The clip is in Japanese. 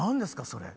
それ。